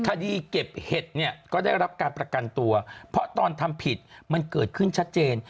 คดีเก็บเห็ดเนี่ยก็ได้รับการประกันตัวเพราะตอนทำผิดมันเกิดขึ้นชัดเจน